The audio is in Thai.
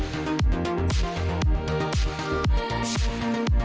ขอบคุณทั้งสองท่านมากนะคะ